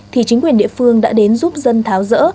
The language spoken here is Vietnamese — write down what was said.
thì chính quyền địa phương đã đến giúp dân tháo rỡ